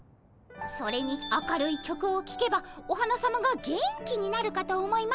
それに明るい曲をきけばお花さまが元気になるかと思いまして。